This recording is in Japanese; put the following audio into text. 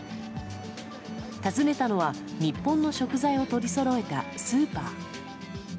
訪ねたのは日本の食材を取りそろえたスーパー。